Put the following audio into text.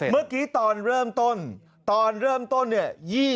เมื่อกี้ตอนเริ่มต้นตอนเริ่มต้นเนี่ย